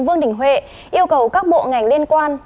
vương đình huệ yêu cầu các bộ ngành liên quan